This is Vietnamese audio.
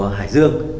và hải dương